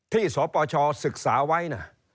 ที่สปศึกษาไว้นะ